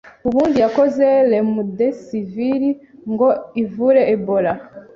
ubundi yakoze remdesivir ngo ivure Ebola,